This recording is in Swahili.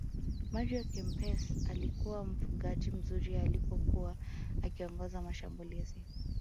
mario kempes alikuwa mfungaji mzuri alipokuwa akiongoza mashambulizi